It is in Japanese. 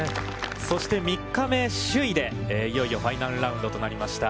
そして３日目、首位でいよいよファイナルラウンドとなりました